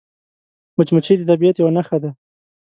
مچمچۍ د طبیعت یوه نښه ده